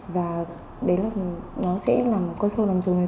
và đấy là nó sẽ là một con sâu lầm rồi